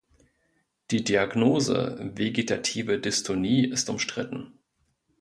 Die Diagnose „vegetative Dystonie“ ist umstritten.